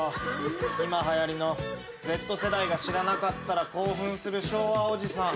今はやりのＺ世代が知らなかったら興奮する昭和おじさん。